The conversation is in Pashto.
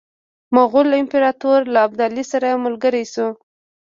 مغول امپراطور له ابدالي سره ملګری شو.